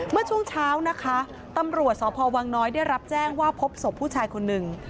เมื่อช่วงเช้านะคะตำรวจสพวังน้อยได้รับแจ้งว่าพบศพผู้ชายคนหนึ่ง